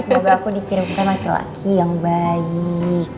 semoga aku dikirimkan laki laki yang baik